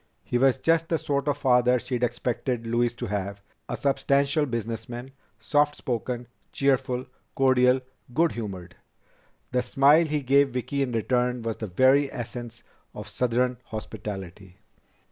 He was just the sort of father she'd expected Louise to have a substantial businessman, soft spoken, cheerful, cordial, good humored. The smile he gave Vicki in return was the very essence of southern hospitality.